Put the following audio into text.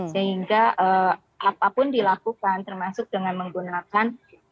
sehingga apapun dilakukan termasuk dengan menggunakan